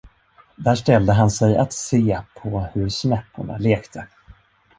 Där ställde han sig att se på hur snäpporna lekte.